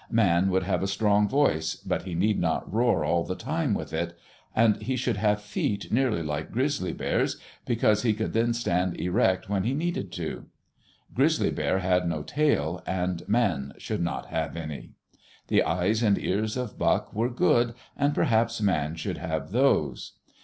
Man should have a strong voice, but he need not roar all the time with it. And he should have feet nearly like Grizzly Bear's, because he could then stand erect when he needed to. Grizzly Bear had no tail, and man should not have any. The eyes and ears of Buck were good, and perhaps man should have those.